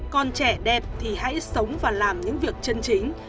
còn trẻ đẹp thì hãy sống và làm những việc chân chính